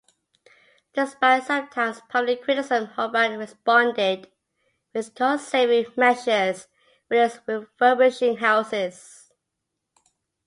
Despite sometimes public criticism, Hoban responded with cost-saving measures, whilst refurbishing houses.